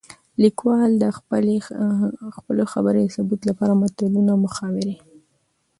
ليکوال د خپلې خبرې د ثبوت لپاره متلونه ،محاورې